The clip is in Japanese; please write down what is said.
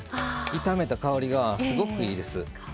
いためた香りがすごくいいです。